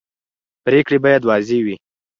پرېکړې باید واضح وي